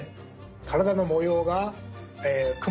体の模様が雲。